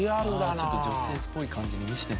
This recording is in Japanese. ちょっと女性っぽい感じに見せてる。